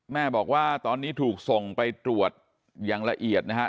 แม่บอกว่าตอนนี้ถูกส่งไปตรวจอย่างละเอียดนะครับ